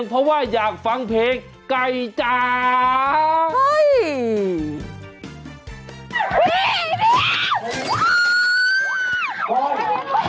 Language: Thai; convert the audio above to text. เพราะว่าอยากฟังเพลงไก่จ่าย